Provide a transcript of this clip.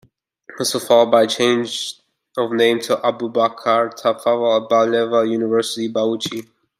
This was followed by a change of name to Abubakar Tafawa Balewa University, Bauchi.